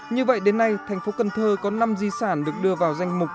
như vậy đến nay thành phố cần thơ có năm di sản được đưa vào danh mục